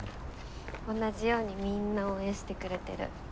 同じようにみんな応援してくれてる。